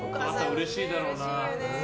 うれしいだろうな。